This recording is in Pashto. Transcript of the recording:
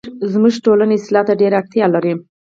زموږ ټولنه اصلاح ته ډيره اړتیا لري